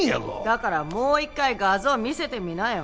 だからもう一回画像見せてみなよ。